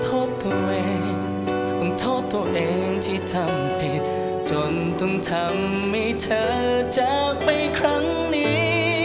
โทษตัวเองต้องโทษตัวเองที่ทำผิดจนต้องทำให้เธอจากไปครั้งนี้